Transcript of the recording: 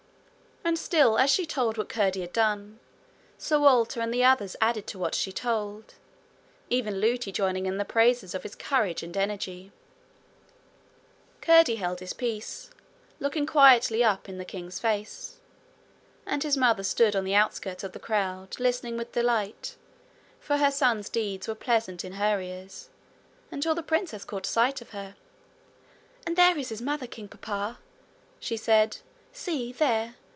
And still as she told what Curdie had done, Sir Walter and others added to what she told, even Lootie joining in the praises of his courage and energy. Curdie held his peace, looking quietly up in the king's face. And his mother stood on the outskirts of the crowd listening with delight, for her son's deeds were pleasant in her ears, until the princess caught sight of her. 'And there is his mother, king papa!' she said. 'See there.